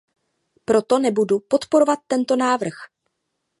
Proto nebudu podporovat tento návrh.